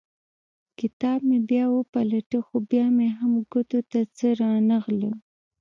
کتاب مې بیا وپلټه خو بیا مې هم ګوتو ته څه رانه غلل.